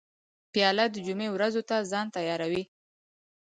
پیاله د جمعې ورځو ته ځان تیاروي.